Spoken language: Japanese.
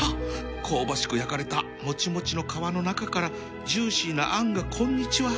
香ばしく焼かれたもちもちの皮の中からジューシーなあんがこんにちは